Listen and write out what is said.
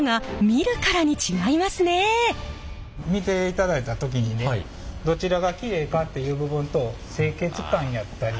見ていただいた時にねどちらがきれいかっていう部分と清潔感やったり。